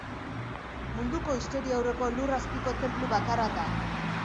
Munduko historiaurreko lur azpiko tenplu bakarra da.